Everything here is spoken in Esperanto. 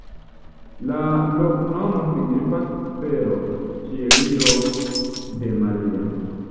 La loknomo signifas: fero-Ĉieliro de Maria.